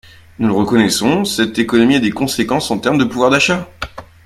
Nous le reconnaissons, cette économie a des conséquences en termes de pouvoir d’achat.